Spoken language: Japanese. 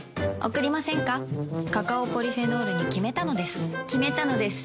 カカオポリフェノールに決めたのです決めたのです。